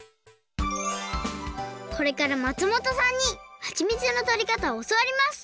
これから松本さんにはちみつのとりかたをおそわります